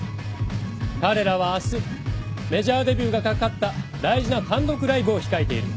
彼らは明日メジャーデビューが懸かった大事な単独ライブを控えている。